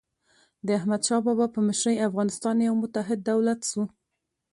د احمدشاه بابا په مشرۍ افغانستان یو متحد دولت سو.